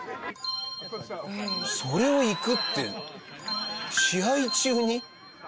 それをいくって試合中に？